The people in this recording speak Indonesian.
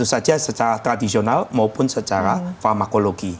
tentu saja secara tradisional maupun secara farmakologi